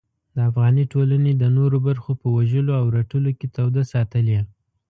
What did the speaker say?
د افغاني ټولنې د نورو برخو په وژلو او رټلو کې توده ساتلې.